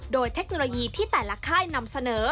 โดยเทคโนโลยีที่แต่ละค่ายนำเสนอ